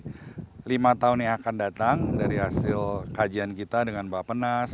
jadi lima tahun yang akan datang dari hasil kajian kita dengan bapak penas